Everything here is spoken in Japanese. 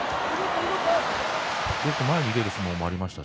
よく前に出る相撲もありました。